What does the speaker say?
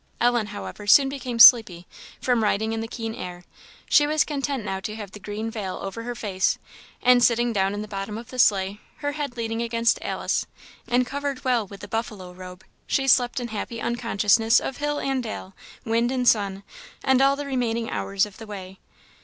Ellen, however, soon became sleepy, from riding in the keen air; she was content now to have the green veil over her face, and sitting down in the bottom of the sleigh, her head leaning against Alice, and covered well with the buffalo robe, she slept in happy unconsciousness of hill and dale, wind and sun, and all the remaining hours of the way.